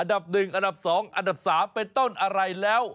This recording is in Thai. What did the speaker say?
อันดับ๑อันดับ๒อันดับ๓เป็นต้นอะไรแล้ว